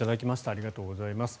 ありがとうございます。